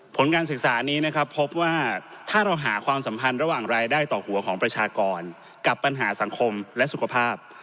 ผลการศึกษานี้นะครับพบว่าถ้าเราหาความสัมพันธ์ระหว่างรายได้ต่อหัวของประชากรกับปัญหาสังคมและสุขภาพ